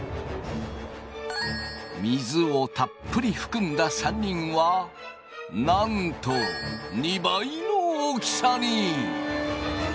水をたっぷり含んだ３人はなんと２倍の大きさに！